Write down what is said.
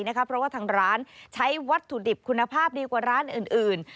เพราะว่าทางร้านใช้วัตถุดิบคุณภาพดีกว่าร้านอื่น